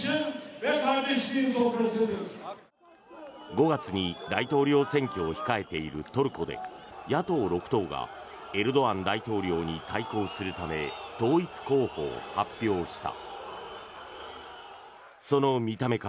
５月に大統領選挙を控えているトルコで野党６党がエルドアン大統領に対抗するため統一候補を発表した。